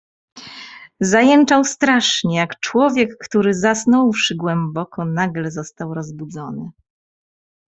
"Zajęczał strasznie, jak człowiek, który, zasnąwszy głęboko, nagle został rozbudzony."